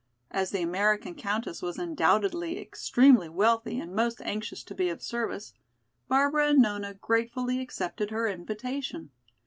As the American Countess was undoubtedly extremely wealthy and most anxious to be of service, Barbara and Nona gratefully accepted her invitation.